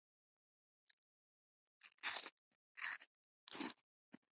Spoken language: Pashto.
شاه محمود د ښار د خلکو د تیښتې خبر واورېد.